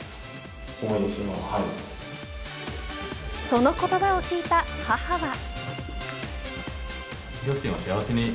その言葉を聞いた母は。